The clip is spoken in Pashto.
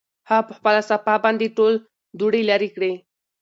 هغه په خپله صافه باندې ټول دوړې لرې کړې.